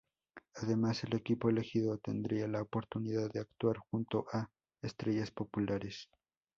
Además, el equipo elegido tendría la oportunidad de actuar junto a estrellas populares.